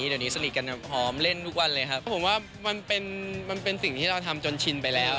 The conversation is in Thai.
เดี๋ยวเข้าใจไหมคะเชอรี่